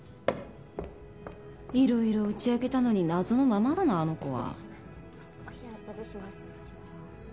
いろいろ打ち明けたのに謎のままだなあの子は